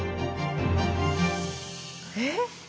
えっ？